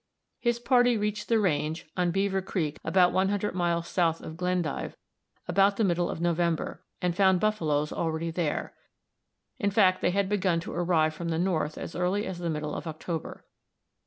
His party reached the range (on Beaver Creek, about 100 miles south of Glendive) about the middle of November, and found buffaloes already there; in fact they had begun to arrive from the north as early as the middle of October.